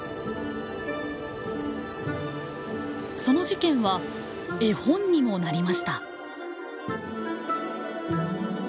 その事件は絵本にもなりました。